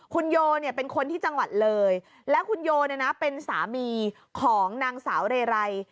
คุณโยเนี่ยเป็นคนที่จังหวัดเลยแล้วคุณโยเนี่ยนะเป็นสามีของนางสาวเรไร